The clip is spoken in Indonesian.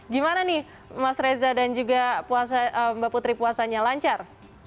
gimana nih mas reza dan juga mbak putri puasanya lancar